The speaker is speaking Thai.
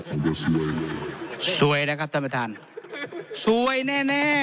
มันจะซวยเลยครับซวยนะครับท่านประธานซวยแน่แน่